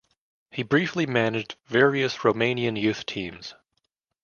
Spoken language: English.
He briefly managed various Romanian youth teams.